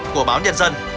của báo nhân dân